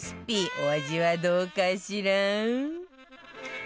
お味はどうかしら？